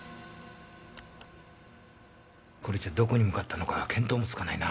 これじゃどこに向かったのか見当もつかないな。